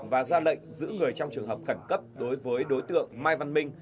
và ra lệnh giữ người trong trường hợp khẩn cấp đối với đối tượng mai văn minh